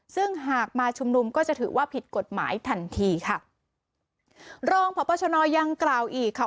ซึ่งหากมาชุมนุมก็จะถือว่าผิดกฎหมายทันทีค่ะรองพบชนยังกล่าวอีกค่ะ